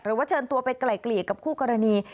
หรือว่าเชิญตัวไปไกล่เกลี่ยกับคู่กรณี